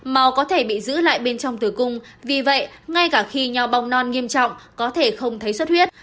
màu có thể bị giữ lại bên trong tử cung vì vậy ngay cả khi nhau bong non nghiêm trọng có thể không thấy xuất huyết